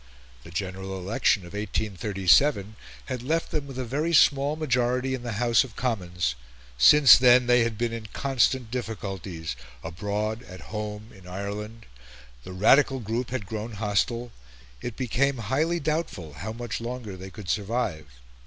The General Election of 1837 had left them with a very small majority in the House of Commons; since then, they had been in constant difflculties abroad, at home, in Ireland; the Radical group had grown hostile; it became highly doubtful how much longer they could survive.